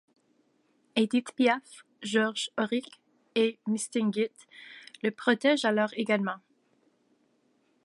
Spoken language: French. Édith Piaf, Georges Auric et Mistinguett le protègent alors également.